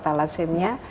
kita telah semia